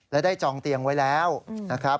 และได้จองเตียงไว้แล้วนะครับ